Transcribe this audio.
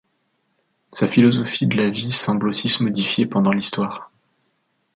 Sa philosophie de la vie semble aussi se modifier pendant l'histoire.